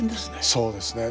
そうですね。